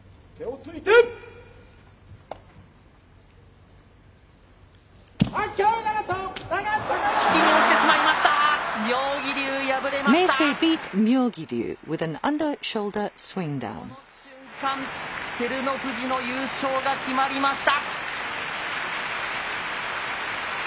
この瞬間、照ノ富士の優勝が決まりました。